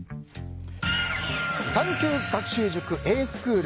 探究学習塾エイスクール。